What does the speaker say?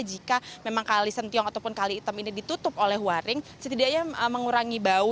jika memang kali sentiong ataupun kali item ini ditutup oleh waring setidaknya mengurangi bau